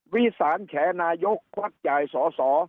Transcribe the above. วิสานแฉนายกควักจ่ายสอสอ